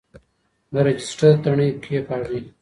د رجسټر تڼۍ کیکاږئ.